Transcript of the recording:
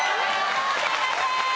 正解です。